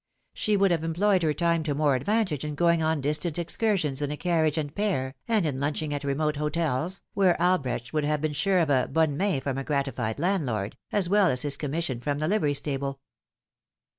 She would have employed her time to more advantage in going on distant excursions in a carriage and pair, and in lunching at remote hotels, where Albrecht would have been sure of a bonne main from a gratified landlord, as well as his commission from the livery stable.